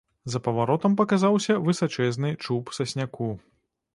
За паваротам паказаўся высачэзны чуб сасняку.